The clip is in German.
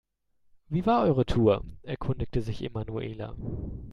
Wie war eure Tour?, erkundigte sich Emanuela.